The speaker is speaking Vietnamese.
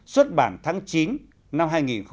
xuất bản tháng chín năm hai nghìn sáu